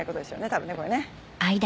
多分ねこれね。